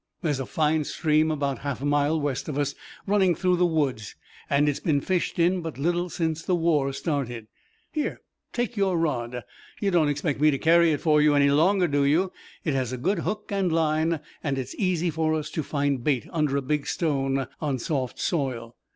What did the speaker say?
There's a fine stream about a half mile west of us, running through the woods, and it's been fished in but little since the war started. Here, take your rod! You don't expect me to carry it for you any longer do you? It has a good hook and line and it's easy for us to find bait under a big stone on soft soil."